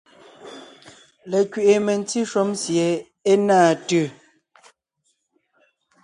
Lekẅiʼi mentí shúm sie é náa tʉ̀.